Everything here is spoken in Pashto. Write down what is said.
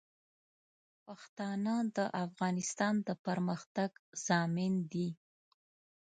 پښتانه د افغانستان د پرمختګ ضامن دي.